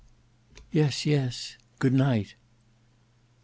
"Yes, yes. Good night."